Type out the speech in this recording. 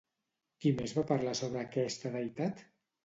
Qui més va parlar sobre aquesta deïtat?